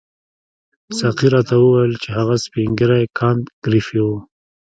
ساقي راته وویل چې هغه سپین ږیری کانت ګریفي وو.